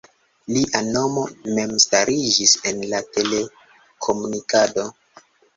Lia nomo memstariĝis en la telekomunikado.